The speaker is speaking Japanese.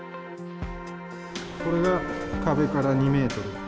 これが壁から２メートル。